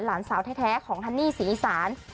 หลานสาวแท้ของฮันนี่ศรีอีสาน